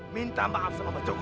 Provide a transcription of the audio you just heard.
minta maaf sama mbak joko